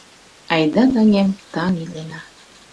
Айда, таҥем, таҥ илена